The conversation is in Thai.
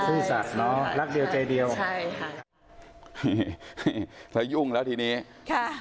ซื่อสัตว์เนอะรักเดียวใจเดียวใช่ค่ะนี่เธอยุ่งแล้วทีนี้ค่ะ